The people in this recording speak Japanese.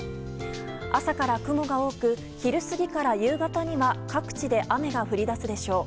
朝から雲が多く昼過ぎから夕方には各地で雨が降り出すでしょう。